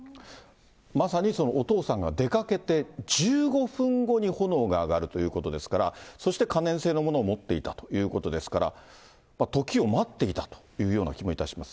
まさにお父さんが出かけて、１５分後に炎が上がるということですから、そして可燃性のものを持っていたということですから、時を待っていたというような気もいたします。